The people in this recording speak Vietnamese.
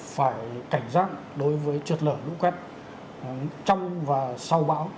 phải cảnh giác đối với trượt lở lũ quét trong và sau bão